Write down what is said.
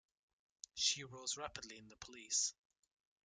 She rose rapidly in the police.